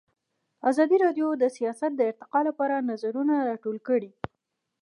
ازادي راډیو د سیاست د ارتقا لپاره نظرونه راټول کړي.